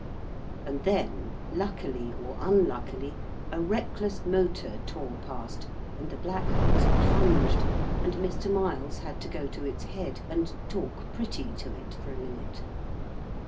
And then, luckily or unluckily, a reckless motor tore past, and the black horse plunged and Mr. Miles had to go to its head and 'talk pretty' to it for a minute.